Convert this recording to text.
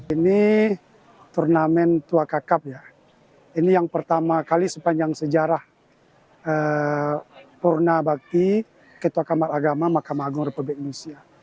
ini turnamen tua kakap ya ini yang pertama kali sepanjang sejarah purna bakti ketua kamar agama mahkamah agung republik indonesia